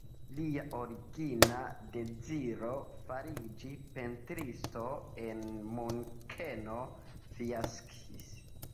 Lia origina deziro, fariĝi pentristo en Munkeno, fiaskis.